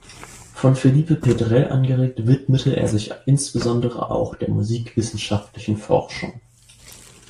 Von Felipe Pedrell angeregt widmete er sich insbesondere auch der musikwissenschaftlichen Forschung.